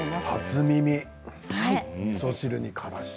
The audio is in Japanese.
初耳、みそ汁に、からし。